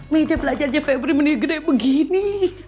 minta belajar jefe bermenikah kayak begini